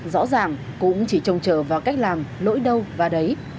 rõ ràng cũng chỉ trông chờ vào cách làm lỗi đâu và đấy